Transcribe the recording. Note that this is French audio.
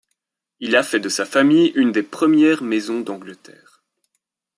Il a fait de sa famille une des premières maisons d’Angleterre.